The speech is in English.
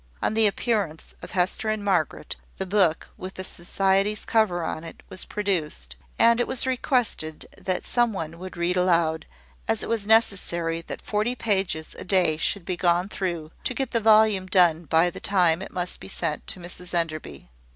On the appearance of Hester and Margaret, the book, with the Society's cover on it, was produced; and it was requested that some one would read aloud, as it was necessary that forty pages a day should be gone through, to get the volume done by the time it must be sent to Mrs Enderby.